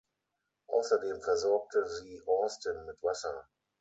Außerdem versorgte sie Austin mit Wasser.